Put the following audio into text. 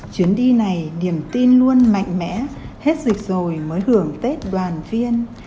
chuyến đi này niềm tin luôn mạnh mẽ hết dịch rồi mới hưởng tết đoàn viên